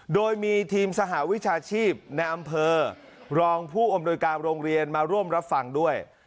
โดยมีทีมสหวิชาชีพในอำเภอรองผู้อำนวยการโรงเรียนมาร่วมรับฟังด้วย